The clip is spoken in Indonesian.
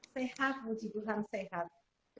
sehat puji tuhan sehat